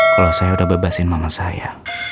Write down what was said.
kalau saya udah bebasin mama saya